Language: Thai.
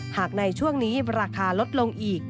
หากในช่วงนี้ราคารศิลป์ลดลงอีก